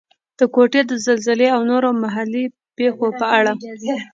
د کوټې د زلزلې او نورو محلي پېښو په اړه.